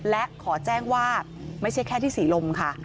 และขอแจ้งว่าไม่ใช่แค่ที่ศรีลมค่ะ